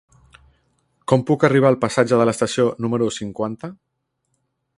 Com puc arribar al passatge de l'Estació número cinquanta?